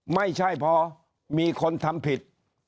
ไม่ใช่พอมีคนทำผิด